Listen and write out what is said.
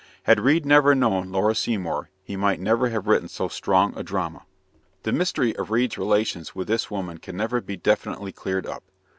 Had Reade never known Laura Seymour, he might never have written so strong a drama. The mystery of Reade's relations with this woman can never be definitely cleared up.